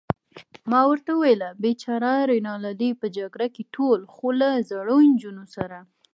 ما ورته وویل: بېچاره رینالډي، په جګړه کې ټول، خو له زړو نجونو سره.